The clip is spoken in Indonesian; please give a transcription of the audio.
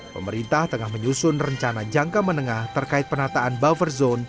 pemerintah tengah menyusun rencana jangka menengah terkait penataan buffer zone